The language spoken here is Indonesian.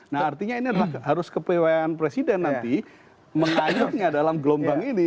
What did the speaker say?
nah artinya ini adalah harus kepewaan presiden nanti mengayunnya dalam gelombang ini